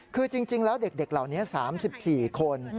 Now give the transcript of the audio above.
คือจริงแล้วเด็กเหล่านี้๓๔คน